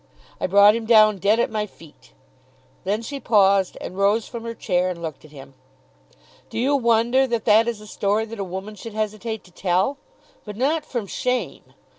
I brought him down dead at my feet." Then she paused, and rose from her chair, and looked at him. "Do you wonder that that is a story that a woman should hesitate to tell? But not from shame.